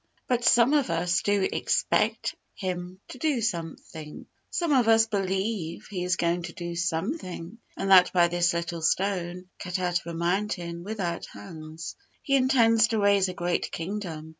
But some of us do expect Him to do something. Some of us believe He is going to do something, and that by this little stone, cut out of a mountain, without hands, He intends to raise a great kingdom.